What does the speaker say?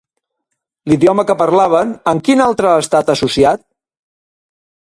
L'idioma que parlaven, amb quin altre ha estat associat?